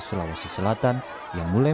sulawesi selatan yang mulai